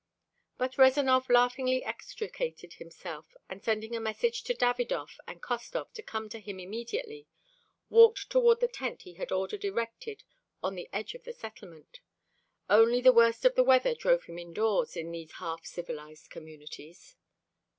But Rezanov laughingly extricated himself, and sending a message to Davidov and Khostov to come to him immediately, walked toward the tent he had ordered erected on the edge of the settlement; only the worst of weather drove him indoors in these half civilized communities.